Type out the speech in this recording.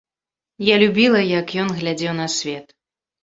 Я любіла, як ён глядзеў на свет.